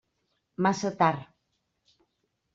Massa tard.